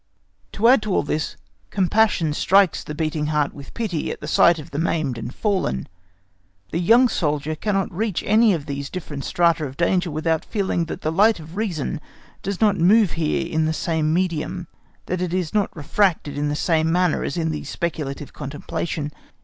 To add to all this, compassion strikes the beating heart with pity at the sight of the maimed and fallen. The young soldier cannot reach any of these different strata of danger without feeling that the light of reason does not move here in the same medium, that it is not refracted in the same manner as in speculative contemplation.